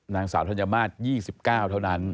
นางสาวธัญมาตร๒๙เท่านั้น